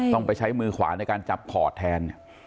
ต้องไปใช้มือขวาในการจับขอดแทน